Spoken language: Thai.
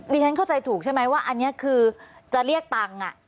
ฉันเข้าใจถูกใช่ไหมว่าอันนี้คือจะเรียกตังค์